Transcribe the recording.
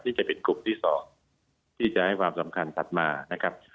นี่จะเป็นกลุ่มที่๒ที่จะให้ความสำคัญถัดมานะครับ